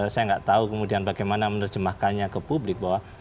saya tidak tahu kemudian bagaimana menerjemahkannya ke publik